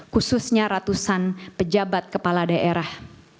khususnya ratusan pejabat kepala daerah